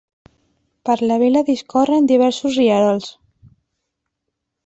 Per la vila discorren diversos rierols.